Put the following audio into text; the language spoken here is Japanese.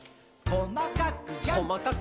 こまかく。